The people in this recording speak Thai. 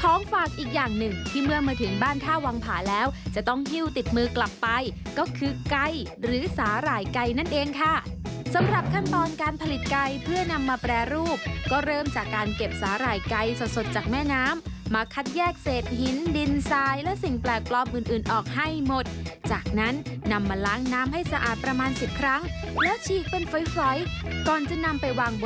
ของฝากอีกอย่างหนึ่งที่เมื่อมาถึงบ้านท่าวังผาแล้วจะต้องหิ้วติดมือกลับไปก็คือไก่หรือสาหร่ายไก่นั่นเองค่ะสำหรับขั้นตอนการผลิตไก่เพื่อนำมาแปรรูปก็เริ่มจากการเก็บสาหร่ายไก่สดสดจากแม่น้ำมาคัดแยกเศษหินดินทรายและสิ่งแปลกปลอมอื่นอื่นออกให้หมดจากนั้นนำมาล้างน้ำให้สะอาดประมาณสิบครั้งแล้วฉีกเป็นฝอยก่อนจะนำไปวางบ